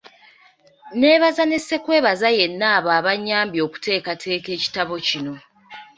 Nneebaza ne ssekwebaza yenna abo abanyambye okuteekateeka ekitabo kino.